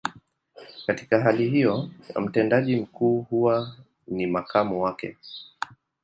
Katika hali hiyo, mtendaji mkuu huwa ni makamu wake.